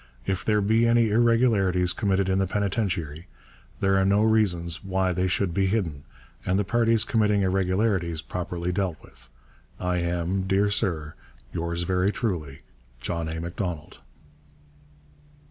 If there be any irregularities committed in the penitentiary, there are no reasons why they should be hidden, and the parties committing irregularities properly dealt with. I am, dear sir, yours very truly, JOHN A. MACDONALD.